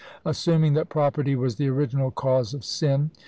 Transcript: Assuming that property was the original cause of sin!